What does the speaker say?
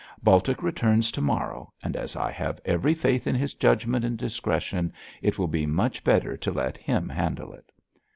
Baltic returns to morrow, and as I have every faith in his judgment and discretion, it will be much better to let him handle it.'